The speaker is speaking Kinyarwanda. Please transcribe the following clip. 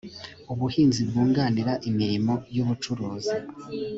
ubuhinzi bwunganira imirimo y ubucuruzi